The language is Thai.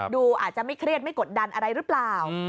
ดูอาจจะไม่เครียดไม่กดดันอะไรหรือเปล่า